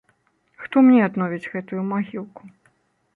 Хто мне адновіць гэтую магілку?